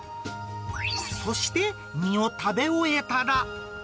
そして身を食べ終えたら。